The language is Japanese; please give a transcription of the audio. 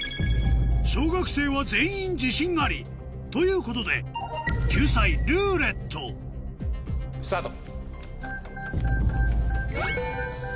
小学生は全員自信ありということで救済「ルーレット」スタート！